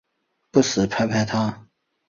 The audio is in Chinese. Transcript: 不时拍拍她